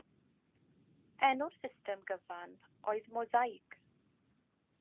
Enw'r system gyfan oedd “mosaig”.